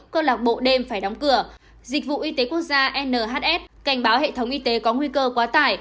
cơ lạc bộ đêm phải đóng cửa dịch vụ y tế quốc gia nhs cảnh báo hệ thống y tế có nguy cơ quá tải